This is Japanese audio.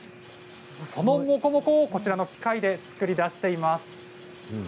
その、もこもこをこちらの機械で作り出しています。